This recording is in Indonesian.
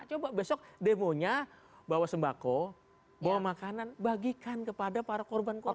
coba besok demonya bawa sembako bawa makanan bagikan kepada para korban korban